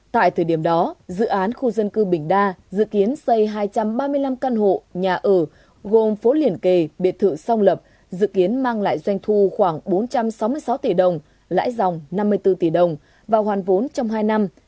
tại thời điểm đó dự án khu dân cư bình đa dự kiến xây hai trăm ba mươi năm căn hộ nhà ở gồm phố liền kề biệt thự song lập dự kiến mang lại doanh thu khoảng bốn trăm sáu mươi sáu tỷ đồng lãi dòng năm mươi bốn tỷ đồng và hoàn vốn trong hai năm